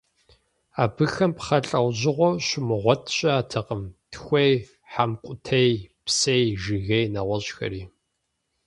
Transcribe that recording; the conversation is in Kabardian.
Абыхэм пхъэ лӀэужьыгъуэу щумыгъуэт щыӀэтэкъым: тхуей, хьэмкӀутӀей, псей, жыгей, нэгъуэщӏхэри.